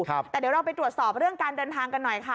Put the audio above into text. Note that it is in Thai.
แต่เดี๋ยวเราไปตรวจสอบเรื่องการเดินทางกันหน่อยค่ะ